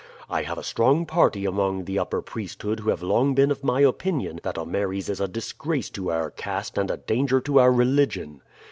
I have a strong party among the upper priesthood who have long been of my opinion that Ameres is a disgrace to our caste and a danger to our religion.